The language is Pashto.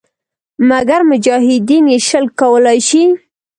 مګر مجاهدین یې شل کولای شي.